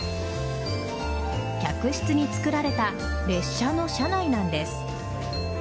客室につくられた列車の車内なんです。